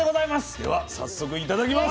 では早速いただきます。